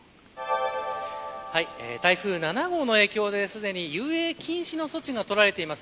台風７号の影響ですでに遊泳禁止の措置が取られています。